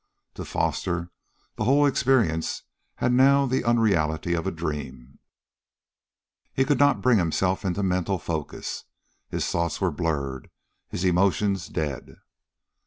To Foster the whole experience had now the unreality of a dream. He could not bring himself into mental focus. His thoughts were blurred, his emotions dead.